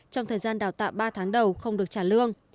trong thời gian đào tạo ba tháng đầu không được trả lương